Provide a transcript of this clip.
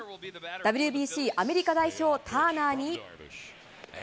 ＷＢＣアメリカ代表、ターナーに。